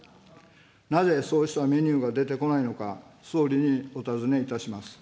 なぜそうしたメニューが出てこないのか、総理にお尋ねいたします。